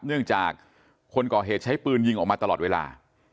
เนื่องจากคนก่อเหตุใช้ปืนยิงออกมาตลอดเวลา